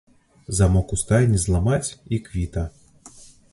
Замок у стайні зламаць, і квіта!